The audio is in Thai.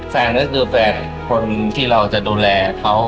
แฟนก็คือแฟนคนที่เราจะดูแลเขา